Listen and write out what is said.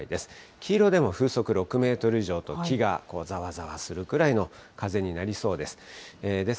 黄色でも風速６メートル以上と木がざわざわするくらいの風になりそうです。